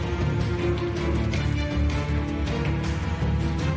คือทำไมไปตีในโรงพยาบาลอะน่ะ